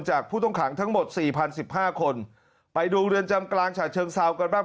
ผู้ต้องขังทั้งหมดสี่พันสิบห้าคนไปดูเรือนจำกลางฉาเชิงเซากันบ้าง